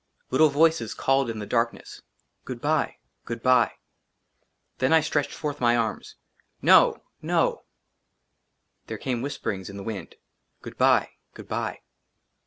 " LITTLE VOICES CALLED IN THE DARKNESS I GOOD BYE ! GOOD BYE !" THEN I STRETCHED FORTH MY ARMS. "NO NO " THERE CAME WHISPERINGS IN THE WIND I " GOOD BYE ! GOOD BYE